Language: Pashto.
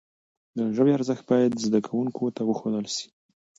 د ژبي ارزښت باید زدهکوونکو ته وښودل سي.